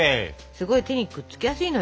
すごい手にくっつきやすいのよ。